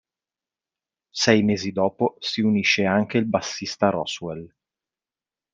Sei mesi dopo si unisce anche il bassista Roswell.